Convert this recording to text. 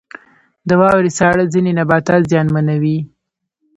• د واورې ساړه ځینې نباتات زیانمنوي.